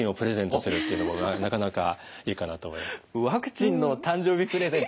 ワクチンの誕生日プレゼント